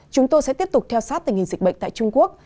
chúng tôi sẽ tiếp tục theo sát tình hình dịch bệnh tại trung quốc